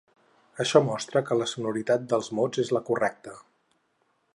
Això mostra que la sonoritat dels mots és la correcta.